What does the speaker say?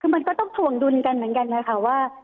คือมันก็ต้องถวงดุลกันเหมือนกันนะคะว่า